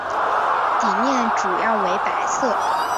底面主要为白色。